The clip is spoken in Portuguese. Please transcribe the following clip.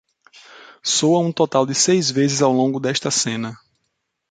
Soa um total de seis vezes ao longo desta cena.